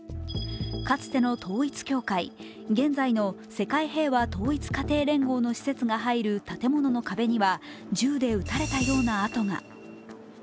かつての統一教会、現在の世界平和統一家庭連合の施設が入る建物の壁には銃で撃たれたような跡が。